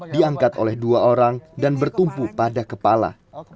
diangkat oleh dua orang dan bertumpu pada kepala